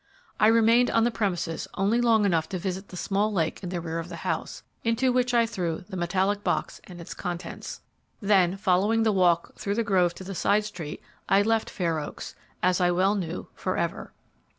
I remained on the premises only long enough to visit the small lake in the rear of the house, into which I threw the metallic box and its contents, then, following the walk through the grove to the side street, I left Fair Oaks, as I well knew, forever.